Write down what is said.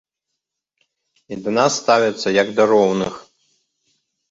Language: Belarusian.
І да нас ставяцца як да роўных.